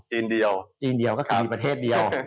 จีนเดียวก็คือประเทศเดียว